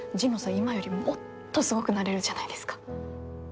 今よりもっとすごくなれるじゃないですか。